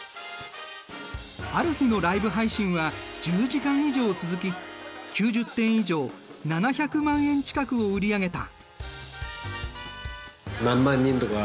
ある日のライブ配信は１０時間以上続き９０点以上７００万円近くを売り上げた。